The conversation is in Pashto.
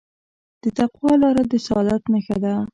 د تقوی لاره د سعادت نښه ده.